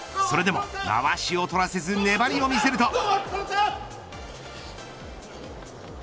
それでもまわしを取らせず粘りを見せると。